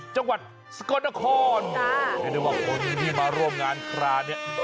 จังหวัดสกลนครเรียกได้ว่าคนที่มาร่วมงานคราเนี่ย